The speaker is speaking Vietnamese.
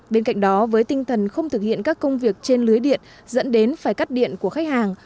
bên cạnh đó với tinh thần không thực hiện các công việc trên lưới điện dẫn đến phải cắt điện của khách hàng